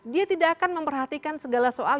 dia tidak akan memperhatikan segala soal